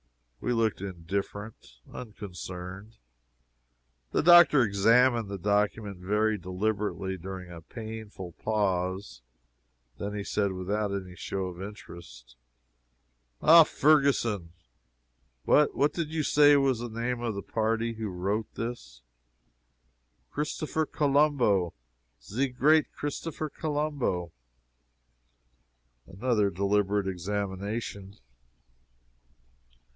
We looked indifferent unconcerned. The doctor examined the document very deliberately, during a painful pause. Then he said, without any show of interest: "Ah Ferguson what what did you say was the name of the party who wrote this?" "Christopher Colombo! ze great Christopher Colombo!" Another deliberate examination.